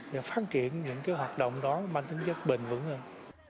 và phát triển những cái hoạt động đó mang tính chất bình vững hơn